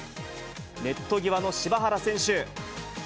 ネット際の柴原選手。